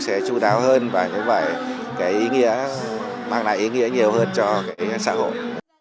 sẽ chú đáo hơn và như vậy cái ý nghĩa mang lại ý nghĩa nhiều hơn cho cái xã hội